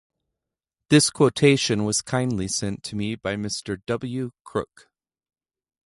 This quotation was kindly sent to me by Mr. W. Crooke.